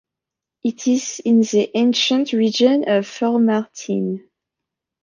It is in the ancient region of Formartine.